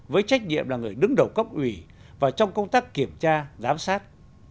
với trách nhiệm là người đứng đầu cấp ủy và trong công tác kiểm tra giám sát